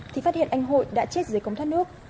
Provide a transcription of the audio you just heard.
thì phát hiện anh hội đã chết dưới cống thoát nước